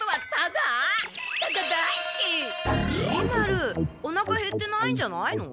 きり丸おなかへってないんじゃないの？